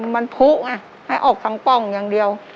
มันผู้ไงให้ออกทางป่องอย่างเดียว